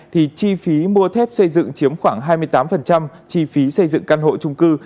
thì chi phí mua thép xây dựng chiếm khoảng hai mươi tám chi phí xây dựng căn hộ trung cư